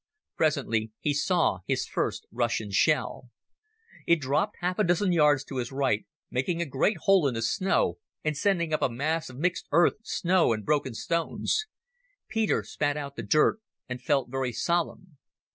Presently he saw his first Russian shell. It dropped half a dozen yards to his right, making a great hole in the snow and sending up a mass of mixed earth, snow, and broken stones. Peter spat out the dirt and felt very solemn.